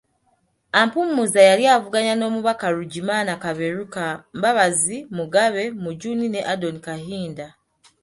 Ampumuza yali avuganya n'omubaka Ruggimana Kaberuka, Mbabazi, Mugabe, Mujuni ne Adon Kahinda.